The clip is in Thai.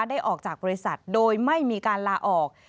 ได้ออกจากบริษัทโดยไม่มีการลาออก